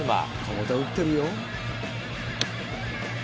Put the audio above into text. また打ってるよ。